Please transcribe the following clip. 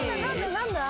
何だ？